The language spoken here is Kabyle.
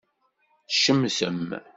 Tcemtem.